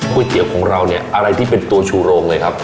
ก๋วยเตี๋ยวของเราอะไรที่เป็นตัวชูโรงเลยครับ